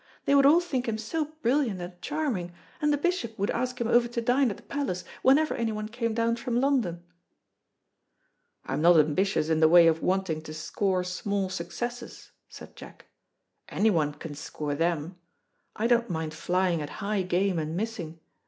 They would all think him so brilliant and charming, and the bishop would ask him over to dine at the palace whenever anyone came down from London." "I'm not ambitious in the way of wanting to score small successes," said Jack. "Anyone can score them. I don't mind flying at high game and missing.